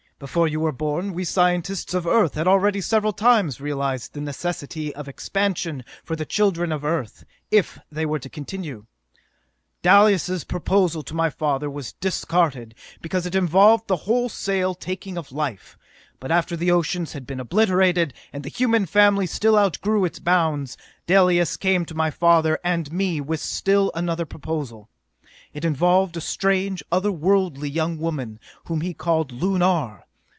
Before you were born, we scientists of Earth had already several times realized the necessity of expansion for the children of Earth if they were to continue. Dalis' proposal to my father was discarded, because it involved the wholesale taking of life. But after the oceans had been obliterated, and the human family still outgrew its bounds, Dalis came to my father and me with still another proposal. It involved a strange, other worldly young woman whom he called Lunar!